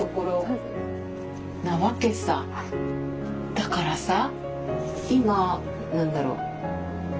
だからさ何だろう。